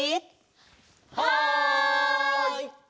はい！